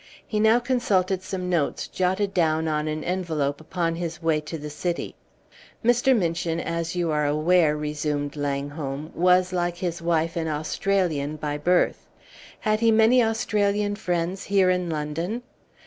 He now consulted some notes jotted down on an envelope upon his way to the City. "Mr. Minchin, as you are aware," resumed Langholm, "was, like his wife, an Australian by birth. Had he many Australian friends here in London?"